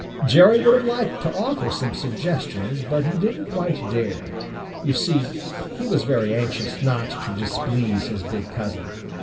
Jerry would have liked to offer some suggestions, but he didn't quite dare. You see, he was very anxious not to displease his big cousin.